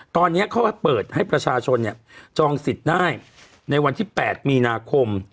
ตอนนี้เขาเปิดให้ประชาชนจองสิทธิ์ได้ในวันที่๘มีนาคม